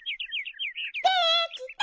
できた！